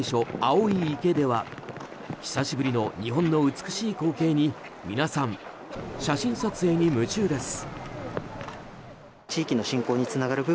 青い池では久しぶりの日本の美しい光景に皆さん、写真撮影に夢中です。